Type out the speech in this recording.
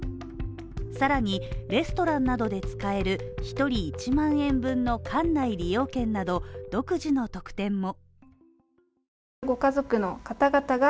更にレストランなどで使える１人１万円分の館内利用券など、独自の特典も。